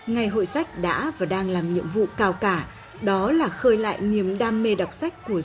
ngày hội sách đã và đang làm nhiệm vụ cao cả đó là khơi lại niềm đam mê đọc sách của giáo dục